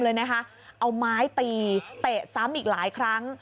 เอาไม้ตีเตะซ้ำอีกหลายครั้ง